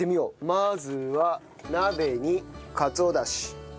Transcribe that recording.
まずは鍋にかつおダシ。